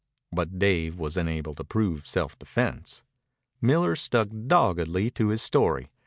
But Dave was unable to prove self defense. Miller stuck doggedly to his story.